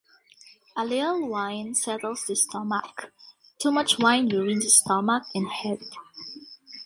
A little wine settles the stomach, too much wine ruins stomach and head.